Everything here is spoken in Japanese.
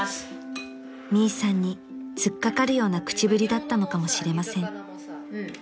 ［ミイさんに突っ掛かるような口ぶりだったのかもしれません］